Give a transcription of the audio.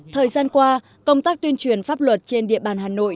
thời gian qua công tác tuyên truyền pháp luật trên địa bàn hà nội